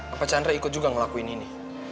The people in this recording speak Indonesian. apa chandra ikut juga ngelakuin ini